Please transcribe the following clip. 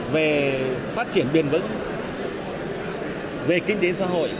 về phát triển bền vững về kinh tế xã hội